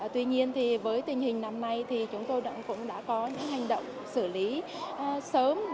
tuy nhiên thì với tình hình năm nay thì chúng tôi cũng đã có những hành động xử lý sớm